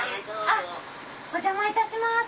あっお邪魔いたします。